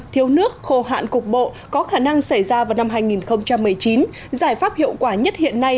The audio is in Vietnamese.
thiếu nước khô hạn cục bộ có khả năng xảy ra vào năm hai nghìn một mươi chín giải pháp hiệu quả nhất hiện nay